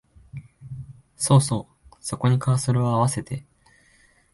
そうそう、そこにカーソルをあわせて